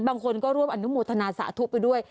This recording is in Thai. บางคนก็ร่วมอนุโมทนาสาธุไปด้วย